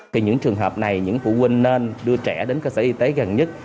thì những trường hợp này những phụ huynh nên đưa trẻ đến cơ sở y tế gần nhất